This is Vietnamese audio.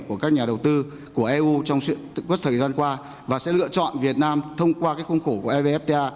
của các nhà đầu tư của eu trong quất thời gian qua và sẽ lựa chọn việt nam thông qua khung khổ của evfta